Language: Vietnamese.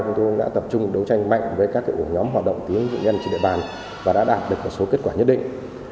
chúng tôi đã tập trung đấu tranh mạnh với các nhóm hoạt động tiến dụng nhân trị địa bàn và đã đạt được một số kết quả nhất định